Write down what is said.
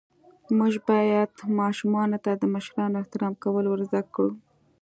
موږ باید ماشومانو ته د مشرانو احترام کول ور زده ڪړو.